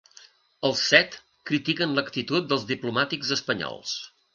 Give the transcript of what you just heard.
Els set critiquen l’actitud dels diplomàtics espanyols.